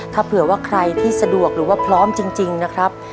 ถ้าเผื่อว่าใครที่สะดวกหรือว่าพร้อมจริงนะครับ